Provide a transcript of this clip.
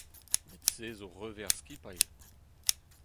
Met se zo hervez ar skipailh.